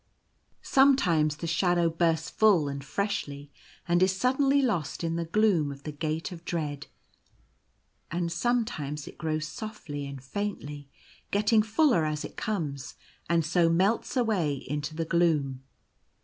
Sometimes the shadow bursts full and freshly and is suddenly lost in the gloom of the Gate of Dread ; and sometimes it grows softly and faintly, getting fuller as it comes, and so melts away into the gloom.